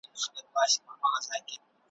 په هغه ګړي یې جنس وو پیژندلی `